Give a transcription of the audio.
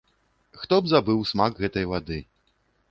Хто б забыў смак гэтай вады?!